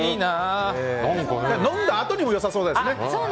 飲んだあとにも良さそうですね。